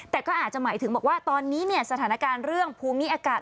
แต่ก็อาจจะหมายถึงบอกว่าตอนนี้เนี่ยสถานการณ์เรื่องภูมิอากาศ